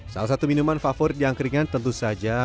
salah satu minuman favorit di angkringan tentu saja